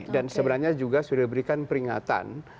dan sebenarnya juga sudah diberikan peringatan